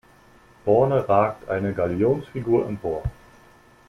Vorne ragt eine Galionsfigur empor.